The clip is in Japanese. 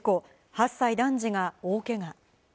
８歳男児が大けが。